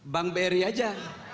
bank bri aja